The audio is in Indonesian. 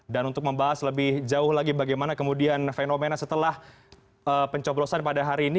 dan untuk membahas lebih jauh lagi bagaimana kemudian fenomena setelah pencoblosan pada hari ini